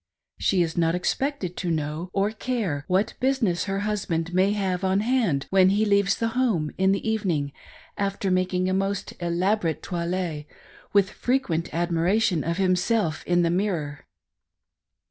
She is not expected to know or care what business her husband may have on hand when he leaves , home in the evening, after making a most elaborate toilet, with frequent admiration of himself in the mirror.